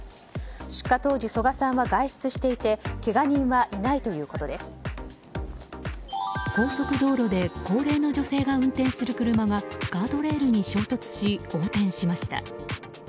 出火当時曽我さんは外出していて高速道路で高齢の女性が運転する車がガードレールに衝突し横転しました。